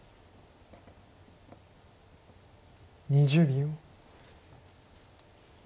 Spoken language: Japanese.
２０秒。